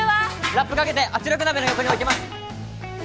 ラップかけて圧力鍋の横に置いてます